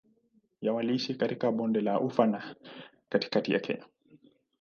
Waliishi katika Bonde la Ufa na katikati ya Kenya.